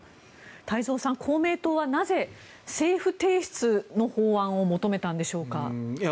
太蔵さん、公明党はなぜ、政府提出の法案を求めたんでしょうか。